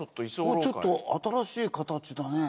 これちょっと新しい形だね。